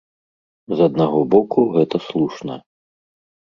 З аднаго боку, гэта слушна.